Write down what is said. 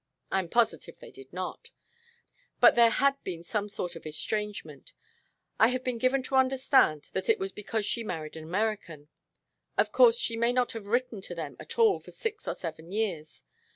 "I am positive they did not. But there had been some sort of estrangement. I have been given to understand that it was because she married an American. Of course she may not have written to them at all for six or seven years.